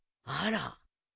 あら。